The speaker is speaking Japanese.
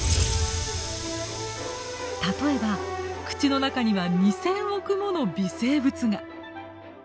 例えば口の中には２，０００億もの微生物が。